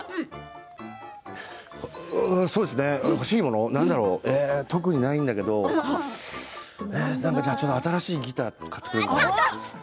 そうですね、欲しいもの特にないんだけど新しいギターを買ってくれるかな。